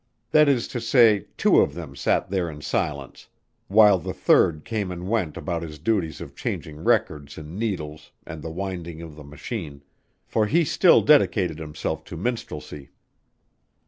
That is to say, two of them sat there in silence while the third came and went about his duties of changing records and needles and the winding of the machine for he still dedicated himself to minstrelsy.